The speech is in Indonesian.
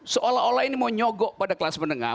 seolah olah ini mau nyogok pada kelas menengah